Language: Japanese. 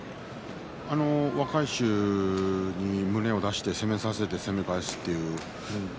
若い衆に胸を出して攻めさせて攻め返す